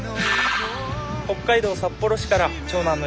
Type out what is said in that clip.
北海道札幌市から長男の安田淳です。